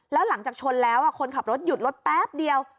แล้วหลังจากชนแล้วคนขับรถหยุดรถแป๊บเดียว